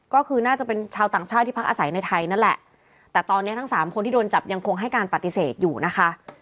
ก็คือน่าจะเป็นชาวต่างชาติที่พักอาศัยในไทยนั่นแหละแต่ตอนนี้ทั้งสามคนที่โดนจับยังคงให้การปฏิเสธอยู่นะคะ